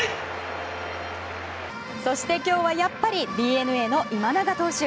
そして、今日はやっぱりＤｅＮＡの今永投手。